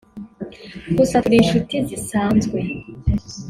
gusa turi inshuti zisanzwe